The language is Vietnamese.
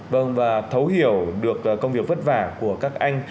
vâng và thấu hiểu được công việc vất vả của các anh